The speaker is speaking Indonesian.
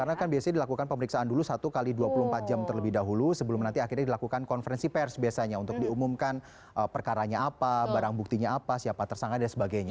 karena kan biasanya dilakukan pemeriksaan dulu satu x dua puluh empat jam terlebih dahulu sebelum nanti akhirnya dilakukan konferensi pers biasanya untuk diumumkan perkaranya apa barang buktinya apa siapa tersangka dan sebagainya